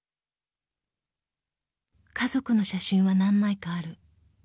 ［家族の写真は何枚かある］